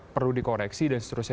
perlu dikoreksi dan seterusnya